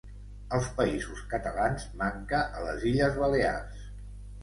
Als Països Catalans manca a les Illes Balears.